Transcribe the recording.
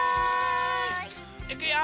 いくよ！